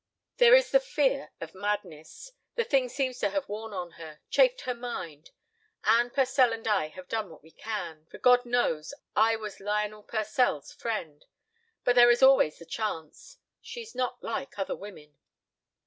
"There is the fear of madness. The thing seems to have worn on her, chafed her mind. Anne Purcell and I have done what we can, for God knows—I was Lionel Purcell's friend. But there is always the chance. She is not like other women."